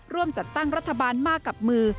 ร่วมจัดตั้งรัฐบาลมากกับมือ